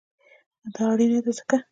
دا اړینه ده ځکه: